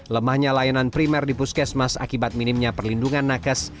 lemahnya layanan primer di puskesmas akibat minimnya perlindungan nakes